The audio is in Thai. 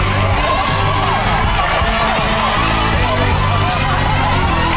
เป็นไอร์ถึงทำจุดประมาณอย่างนั้น